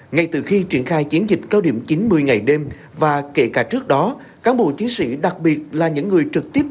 ngay từ khi triển khai chiến dịch cao điểm chín mươi ngày đêm và kể cả trước đó cán bộ chiến sĩ đặc biệt là những người trực tiếp